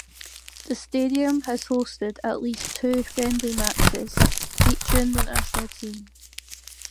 The stadium has hosted at least two friendly matches featuring the national team.